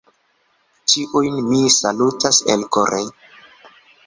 Ĉiujn mi salutas elkore.